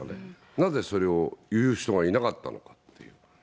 なぜそれを言う人がいなかったのかと。